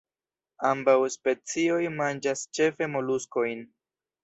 Ambaŭ specioj manĝas ĉefe moluskojn.